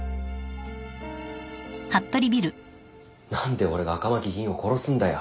何で俺が赤巻議員を殺すんだよ。